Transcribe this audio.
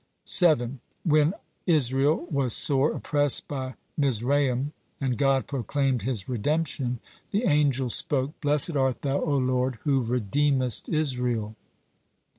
7. When Israel was sore oppressed by Mizraim, and God proclaimed his redemption, the angels spoke: "Blessed art Thou, O Lord, who redeemest Israel."